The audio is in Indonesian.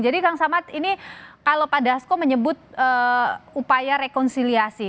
jadi kang samad ini kalau pak dasko menyebut upaya rekonsiliasi